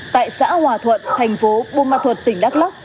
tại xã hòa thuận thành phố buôn ma thuật tỉnh đắk lắc